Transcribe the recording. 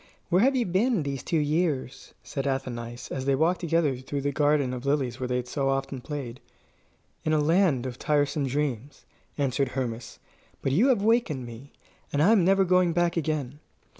"Where have you been, these two years?" said Athenais, as they walked together through the garden of lilies where they had so often played. "In a land of tiresome dreams," answered Hermas; "but you have wakened me, and I am never going back again."